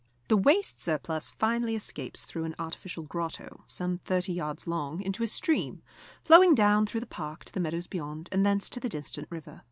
The waste surplus finally escapes through an artificial grotto, some thirty yards long, into a stream, flowing down through the park to the meadows beyond, and thence to the distant river.